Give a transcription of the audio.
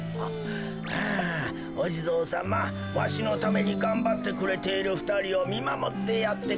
ああおじぞうさまわしのためにがんばってくれているふたりをみまもってやってくださいなと。